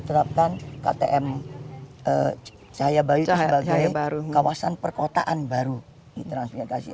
terapkan ktm cahaya bayu sebagai kawasan perkotaan baru di transminiatasi